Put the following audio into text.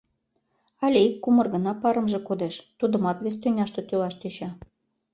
Але ик кумыр гына парымже кодеш, тудымат вес тӱняште тӱлаш тӧча.